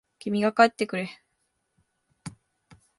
君が帰ってくれ。